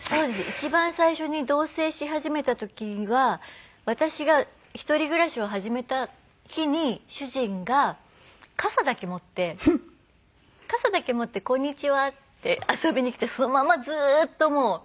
一番最初に同棲し始めた時は私が一人暮らしを始めた日に主人が傘だけ持って傘だけ持って「こんにちは」って遊びにきてそのまんまずーっともう住み続けたんですね。